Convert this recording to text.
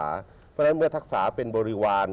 เพราะฉะนั้นเมื่อทักษะเป็นบริวาร